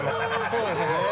そうですね。